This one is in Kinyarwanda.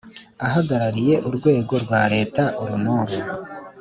Ahagarariye urwego rwa leta uru n uru